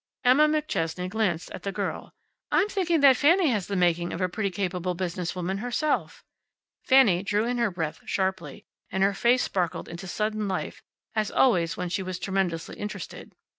Emma McChesney glanced at the girl. "I'm thinking that Fanny has the making of a pretty capable business woman herself." Fanny drew in her breath sharply, and her face sparkled into sudden life, as always when she was tremendously interested.